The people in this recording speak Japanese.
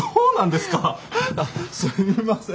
すみません。